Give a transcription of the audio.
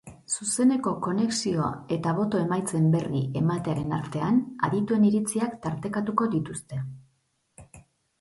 Zuzeneko konexio eta boto emaitzen berri ematearen artean adituen iritziak tartekatuko dituzte.